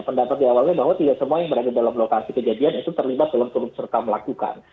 pendapat di awalnya bahwa tidak semua yang berada dalam lokasi kejadian itu terlibat dalam turut serta melakukan